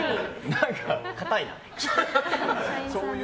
何か堅いな。